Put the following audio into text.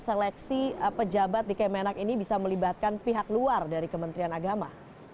seleksi pejabat di kemenak ini bisa melibatkan pihak luar dari kementerian agama